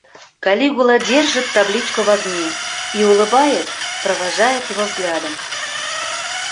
Калигула держит табличку в огне и, улыбаясь, провожает его взглядом.